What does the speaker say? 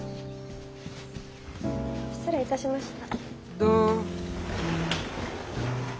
失礼いたしました。